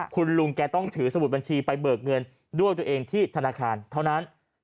คุณลุงแกต้องถือสมุดบัญชีไปเบิกเงินด้วยตัวเองที่ธนาคารเท่านั้น